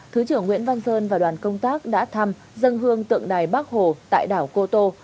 thứ trưởng nguyễn văn sơn và đoàn công tác đã thăm dân hương tượng đài bắc hồ tại đảo cô tô